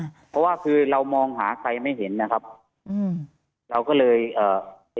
เพราะว่าคือเรามองหาใครไม่เห็นนะครับอืมเราก็เลยเอ่อ